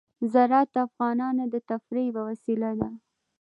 زراعت د افغانانو د تفریح یوه وسیله ده.